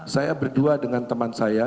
saya berdua dengan teman saya